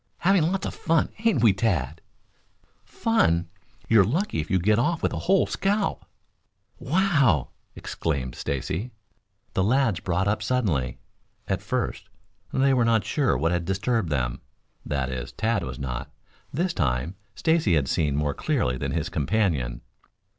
"Having lots of fun, ain't we, Tad?" "Fun! You're lucky if you get off with a whole scalp " "Wow!" exclaimed Stacy. The lads brought up suddenly. At first they were not sure what had disturbed them, that is, Tad was not. This time Stacy had seen more clearly than his companion.